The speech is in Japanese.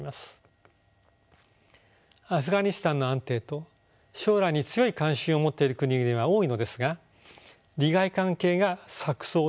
アフガニスタンの安定と将来に強い関心を持っている国々は多いのですが利害関係が錯綜しています。